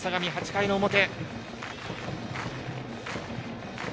８回の表。